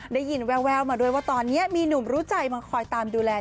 ได้ยินแววมาด้วยว่าตอนนี้มีหนุ่มรู้ใจมาคอยตามดูแล